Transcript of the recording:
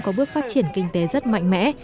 có bước phát triển kinh tế rất mạnh mẽ